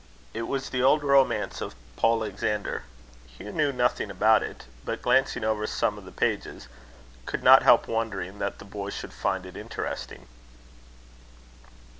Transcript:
It was the old romance of Polexander. Hugh knew nothing about it; but, glancing over some of the pages, could not help wondering that the boy should find it interesting.